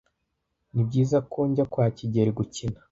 Nibyiza ko njya kwa kigeli gukina?